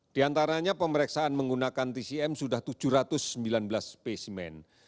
di antaranya pemeriksaan menggunakan tcm sudah tujuh ratus sembilan belas spesimen